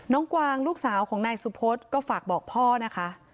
กวางลูกสาวของนายสุพธก็ฝากบอกพ่อนะคะ